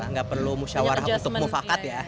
nggak perlu musyawarah untuk mufakat ya